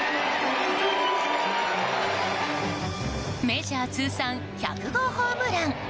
メジャー通算１００号ホームラン。